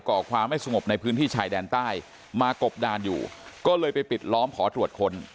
่อความไม่สงบในพื้นที่ชายแดนใต้มากบดานอยู่ก็เลยไปปิดล้อมขอตรวจค้น